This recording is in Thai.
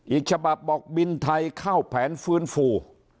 อีกฉบับบอกบินไทยเข้าแผนฟื้นฟู